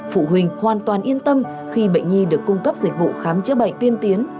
phụ huynh hoàn toàn yên tâm khi bệnh nhi được cung cấp dịch vụ khám chữa bệnh tiên tiến